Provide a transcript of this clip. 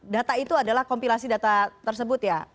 data itu adalah kompilasi data tersebut ya